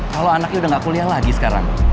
kalau anaknya udah gak kuliah lagi sekarang